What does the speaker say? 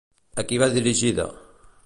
A qui va dirigida?